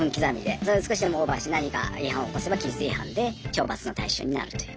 それを少しでもオーバーして何か違反を起こせば規律違反で懲罰の対象になるという。